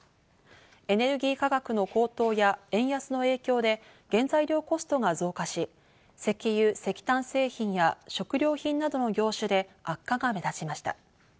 エネルギー価格の高騰や円安の影響で原材料コストが増加し、石油・石炭製品や食料品などの業種で悪化が目立ちました。